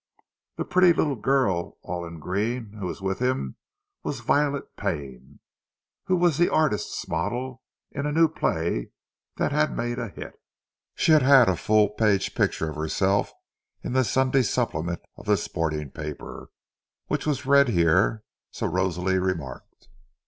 The pretty little girl all in green who was with him was Violet Pane, who was the artist's model in a new play that had made a hit. She had had a full page picture of herself in the Sunday supplement of the "sporting paper" which was read here—so Rosalie remarked.